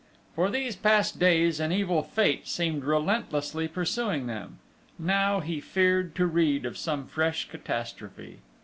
For these past days, an evil Fate seemed relentlessly pursuing them. Now he feared to read of some fresh catastrophe.